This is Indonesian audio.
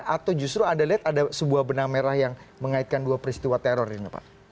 atau justru anda lihat ada sebuah benang merah yang mengaitkan dua peristiwa teror ini pak